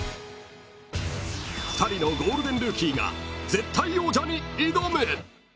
［２人のゴールデンルーキーが絶対王者に挑む］